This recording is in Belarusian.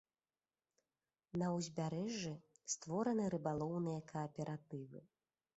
На ўзбярэжжы створаны рыбалоўныя кааператывы.